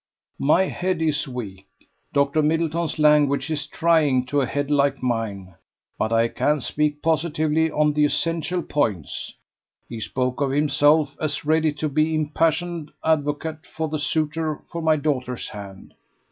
My head is weak. Dr. Middleton's language is trying to a head like mine; but I can speak positively on the essential points: he spoke of himself as ready to be the impassioned advocate of the suitor for my daughter's hand.